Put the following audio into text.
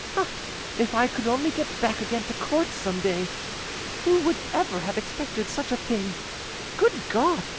Ah! if I could only get back again to court some day!... Who would ever have expected such a thing? Good God!